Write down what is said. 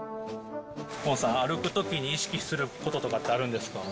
崑さん、歩くときに意識することとかってあるんですか。